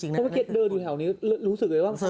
เพราะเมื่อกี้เดินอยู่แถวนี้รู้สึกเลยว่า